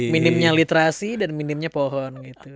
minimnya literasi dan minimnya pohon gitu